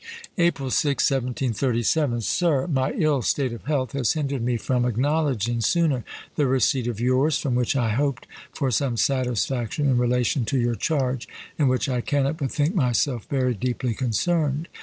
SIR, April 6, 1737. My ill state of health has hindered me from acknowledging sooner the receipt of yours, from which I hoped for some satisfaction in relation to your charge, in which I cannot but think myself very deeply concerned.